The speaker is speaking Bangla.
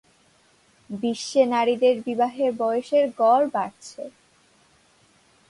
বিশ্বে নারীদের বিবাহের বয়সের গড় বাড়ছে।